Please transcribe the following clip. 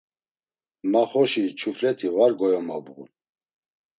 Ma xoşi çuflet̆i var goyomobğun.